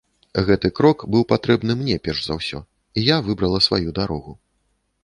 Гэты крок быў патрэбны мне перш за ўсё, і я выбрала сваю дарогу.